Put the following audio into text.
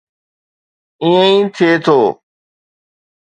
ائين ئي ٿئي ٿو.